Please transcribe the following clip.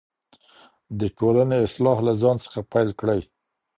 د ټولني اصلاح له ځان څخه پیل کړئ.